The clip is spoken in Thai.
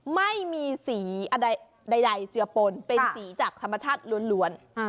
ไม่มีสีใดเจือปนเป็นสีจากธรรมชาติล้วน